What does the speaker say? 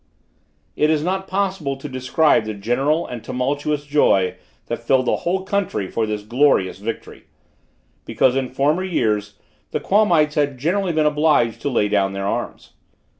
It is not possible to describe the general and tumultuous joy that filled the whole country for this glorious victory; because in former wars the Quamites had generally been obliged to lay down their arms.